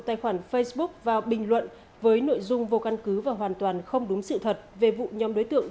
tài khoản facebook vào bình luận với nội dung vô căn cứ và hoàn toàn không đúng sự thật về vụ nhóm đối tượng